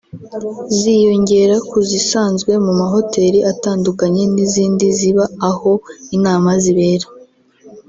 ziyongera ku zisanzwe mu mahoteli atandukanye n’izindi ziba aho inama zibera